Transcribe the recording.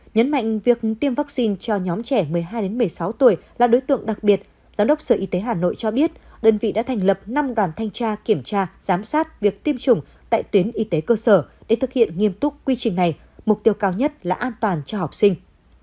nhấn mạnh việc tiêm vaccine cho nhóm trẻ một mươi hai một mươi sáu tuổi là đối tượng đặc biệt giám đốc sở y tế hà nội cho biết đơn vị đã thành lập năm đoàn thanh tra kiểm tra giám sát việc tiêm chủng tại tuyến y tế cơ sở để thực hiện nghiêm túc quy trình này mục tiêu cao nhất là an toàn cho học sinh